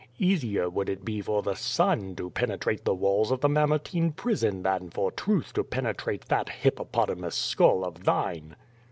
Easier would it be for the sun to penetrate the walls of the Mamertine Prison than for truth to penetrate that hippopotamus skull of thine."